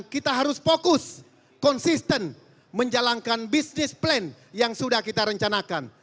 kita harus fokus konsisten menjalankan bisnis plan yang sudah kita rencanakan